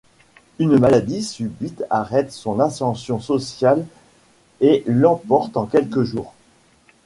Une maladie subite arrête son ascension sociale et l'emporte en quelques jours.